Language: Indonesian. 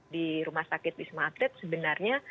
di rumah sakit di sumatera sebenarnya